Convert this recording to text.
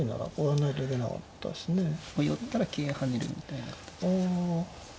寄ったら桂跳ねるみたいな形。